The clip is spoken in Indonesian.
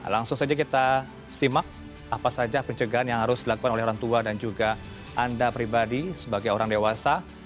langsung saja kita simak apa saja pencegahan yang harus dilakukan oleh orang tua dan juga anda pribadi sebagai orang dewasa